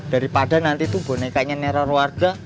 daripada nanti itu bonekanya neror warga